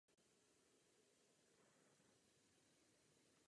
To by mělo stačit.